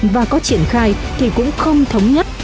và có triển khai thì cũng không thống nhất